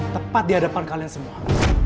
tepat di hadapan kalian semua